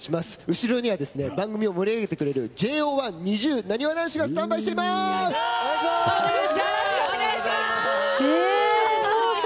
後ろには番組を盛り上げてくれるＪＯ１、ＮｉｚｉＵなにわ男子がお願いします！